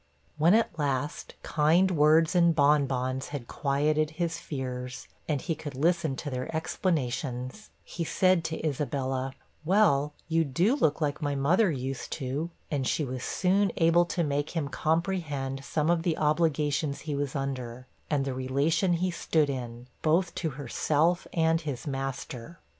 When at last kind words and bon bons had quieted his fears, and he could listen to their explanations, he said to Isabella 'Well, you do look like my mother used to'; and she was soon able to make him comprehend some of the obligations he was under, and the relation he stood in, both to herself and his master.